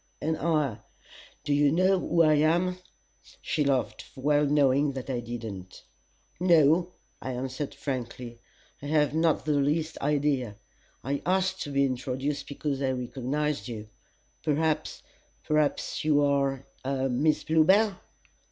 And I do you know who I am?" She laughed, well knowing that I did not. "No," I answered frankly. "I have not the least idea. I asked to be introduced because I recognized you. Perhaps perhaps you are a Miss Bluebell?"